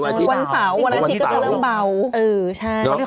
ถ้าที่เขาจัดคอนเสิร์ตกันปีเกินเก้างาน